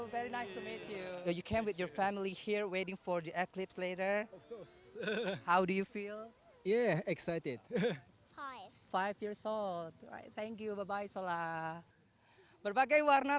terima kasih sangat senang bertemu anda